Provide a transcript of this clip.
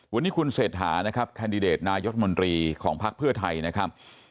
วันนี้คุณเศรษฐานะครับแคนดิเดตนายกรัฐมนตรีของภักดิ์เพื่อไทยนะครับ